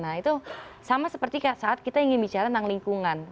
nah itu sama seperti saat kita ingin bicara tentang lingkungan